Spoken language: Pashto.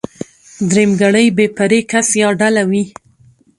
درېمګړی بې پرې کس يا ډله وي.